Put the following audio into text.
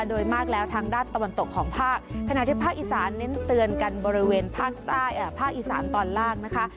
โดยมากแล้วทางด้านตะวันตกของภาคขณะที่ภาคอีสานเน้นเตือนกันบริเวณภาคอีสานตอนล่างนะคะ